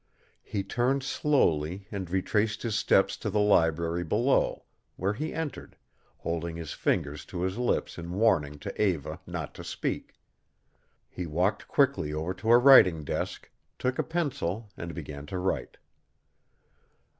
He turned slowly and retraced his steps to the library below, where he entered, holding his fingers to his lips in warning to Eva not to speak. He walked quickly over to a writing desk, took a pencil, and began to write.